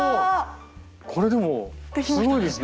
これでもすごいですね。